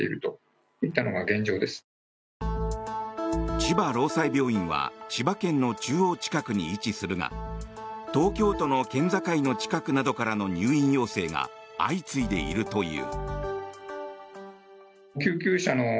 千葉ろうさい病院は千葉県の中央近くに位置するが東京都の県境の近くなどからの入院要請が相次いでいるという。